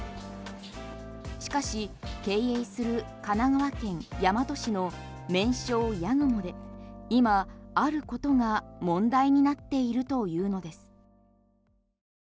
しかし、経営する神奈川県大和市の麺匠八雲で今、あることが問題になっているというのです。